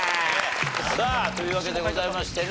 さあというわけでございましてね。